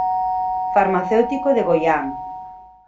Farmacéutico de Goián.